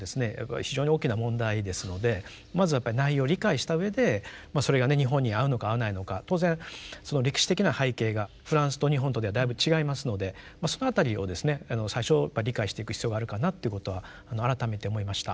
非常に大きな問題ですのでまずはやっぱり内容を理解したうえでそれが日本に合うのか合わないのか当然歴史的な背景がフランスと日本とではだいぶ違いますのでその辺りをですね最初理解していく必要があるかなということは改めて思いました。